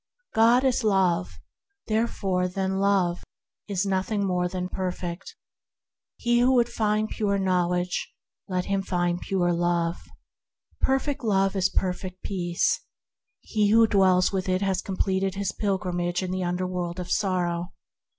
"God is Love"; than Love there is nothing more perfect. He who would find pure Knowl edge let him find pure Love. PERFECT LOVE 135 Perfect Love is Perfect Peace. He who dwells with it has completed his pilgrimage in the underworld of sorrow.